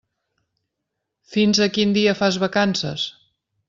Fins a quin dia fas vacances?